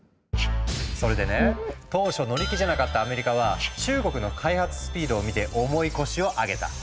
それでね当初乗り気じゃなかったアメリカは中国の開発スピードを見て重い腰を上げた。